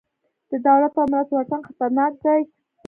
د دولت او ملت واټن خطرناک دی.